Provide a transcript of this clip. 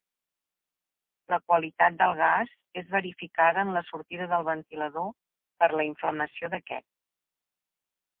La qualitat del gas és verificada en la sortida del ventilador per la inflamació d'aquest.